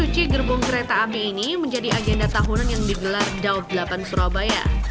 cuci gerbong kereta api ini menjadi agenda tahunan yang digelar daob delapan surabaya